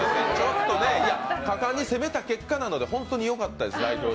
果敢に攻めた結果なので、本当によかったです。